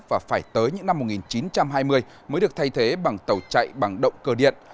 và phải tới những năm một nghìn chín trăm hai mươi mới được thay thế bằng tàu chạy bằng động cơ điện